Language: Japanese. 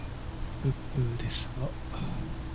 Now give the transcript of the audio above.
ぶっぶーですわ